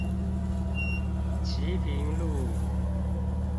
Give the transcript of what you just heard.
旗屏路